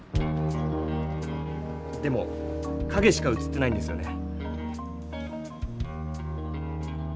でも影しか写ってないんですよね。